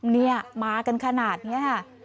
เนี่ยมากันขนาดนี้ค่ะ